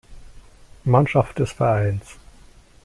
Mannschaft des Vereins.